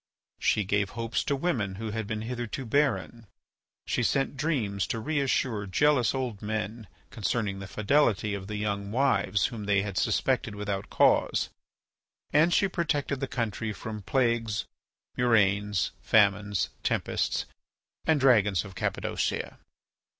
She gave hopes to women who had been hitherto barren, she sent dreams to reassure jealous old men concerning the fidelity of the young wives whom they had suspected without cause, and she protected the country from plagues, murrains, famines, tempests, and dragons of Cappadocia.